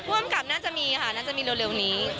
อำกับน่าจะมีค่ะน่าจะมีเร็วนี้